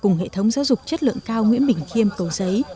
giáo dục chất lượng cao nguyễn bình khiêm cầu giấy